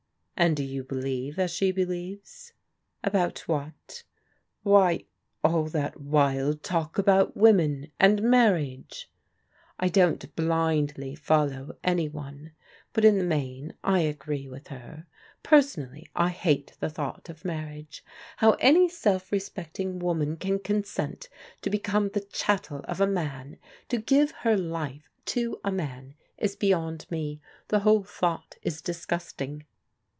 " And do you believe as she believes ?" "About what?" " Why, all that wild talk about women, and marriage." " I don't blindly follow any one. But in the main, I agree with her. Personally I hate the thought of mar riage. How any self respecting woman can consent to become the chattel of a man, to give her life to a man, is beyond me. The whole thought is disgusting."